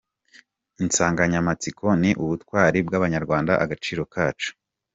Insanganyamatsiko ni "Ubutwari bw’Abanyarwanda, agaciro kacu".